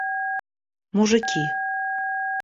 мужики